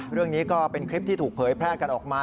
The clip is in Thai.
เรื่องนี้ก็เป็นคลิปที่ถูกเผยแพร่กันออกมา